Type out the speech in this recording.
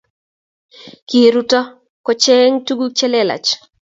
kiruto kocheny tukuk chelelach